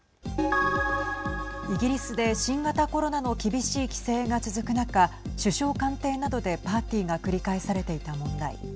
イギリスで新型コロナの厳しい規制が続く中首相官邸などでパーティーが繰り返されていた問題。